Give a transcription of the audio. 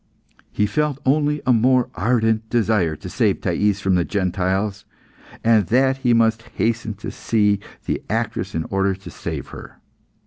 He felt only a more ardent desire to save Thais from the Gentiles, and that he must hasten to see the actress in order to save her.